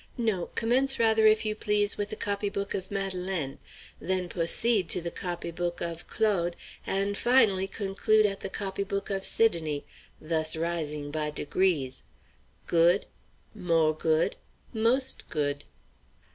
No, commence rather, if you please, with the copy book of Madelaine; then p'oceed to the copy book of Claude, and finally conclude at the copy book of Sidonie; thus rising by degrees: good, more good, most good."